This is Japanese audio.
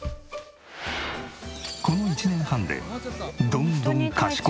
この１年半でどんどん賢くなり。